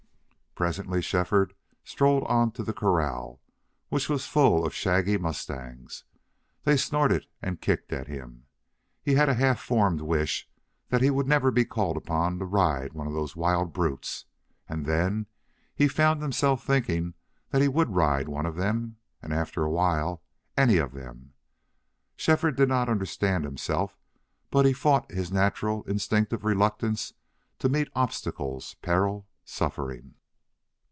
Presently Shefford strolled on to the corral, which was full of shaggy mustangs. They snorted and kicked at him. He had a half formed wish that he would never be called upon to ride one of those wild brutes, and then he found himself thinking that he would ride one of them, and after a while any of them. Shefford did not understand himself, but he fought his natural instinctive reluctance to meet obstacles, peril, suffering.